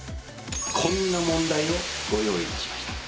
こんな問題をご用意いたしました。